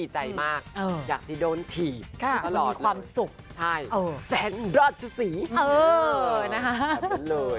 ลูกเรียวกายนอาวน์